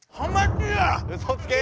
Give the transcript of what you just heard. うそつけ！